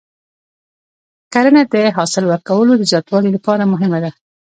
کرنه د حاصل ورکولو د زیاتوالي لپاره مهمه ده.